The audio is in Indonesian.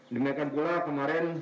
dimekan pula kemarin